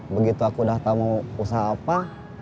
begitu aku udah tahu mau usaha apa